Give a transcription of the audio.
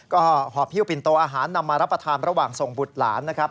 ก็หอบฮิ้วปินโตอาหารนำมารับประทานระหว่างส่งบุตรหลานนะครับ